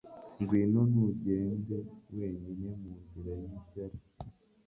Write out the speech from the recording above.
Ngwino ntugende wenyine mu nzira yishyari